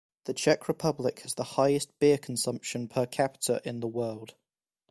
The Czech Republic has the highest beer consumption per capita in the world.